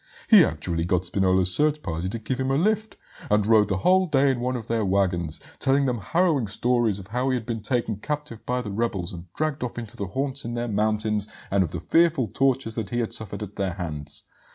He actually got Spinola's search party to give him a lift, and rode the whole day in one of their waggons, telling them harrowing stories of how he had been taken captive by the rebels and dragged off into their haunts in the mountains, and of the fearful tortures that he had suffered at their hands.